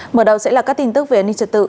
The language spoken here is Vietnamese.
mở đầu sẽ là các tin tức về an ninh trật tự